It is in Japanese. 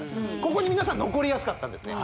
ここに皆さん残りやすかったんですね